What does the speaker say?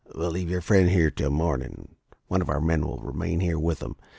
"We'll leave your friend here till morning. One of our men will remain here with him.